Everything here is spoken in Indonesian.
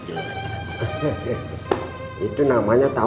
kenapa kamu diam saja sob